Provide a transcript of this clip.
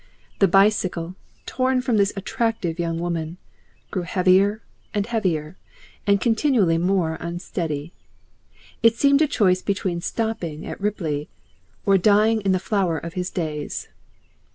The bicycle, torn from this attractive young woman, grew heavier and heavier, and continually more unsteady. It seemed a choice between stopping at Ripley or dying in the flower of his days.